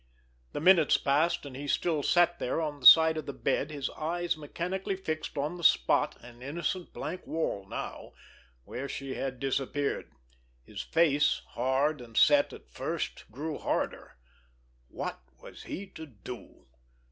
The minutes passed, and he still sat there on the side of the bed, his eyes mechanically fixed on the spot, an innocent blank wall now, where she had disappeared. His face, hard and set at first, grew harder. What was he to do?